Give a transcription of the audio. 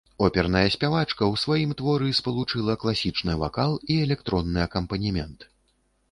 Оперная спявачка ў сваім творы спалучыла класічны вакал і электронны акампанемент.